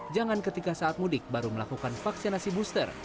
jangan ketika saat mudik baru melakukan vaksinasi booster